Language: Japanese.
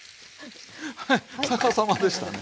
はい逆さまでしたね。